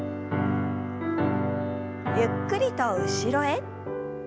ゆっくりと後ろへ。